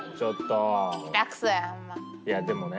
いやでもね